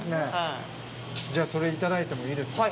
じゃあ、それいただいてもいいですか。